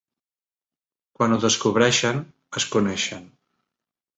Quan ho descobreixen, es coneixen.